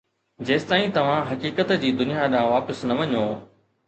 جيستائين توهان حقيقت جي دنيا ڏانهن واپس نه وڃو.